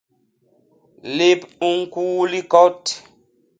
Lép u ñkuu likot.